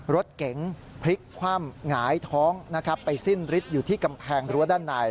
รถเก๋งพลิกคว่ำหงายท้องนะครับไปสิ้นฤทธิ์อยู่ที่กำแพงรั้วด้านใน